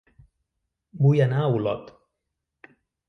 Vull anar a Olot